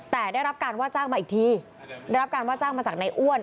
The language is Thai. แต่ได้รับการว่าจ้างมาอีกทีได้รับการว่าจ้างมาจากนายอ้วน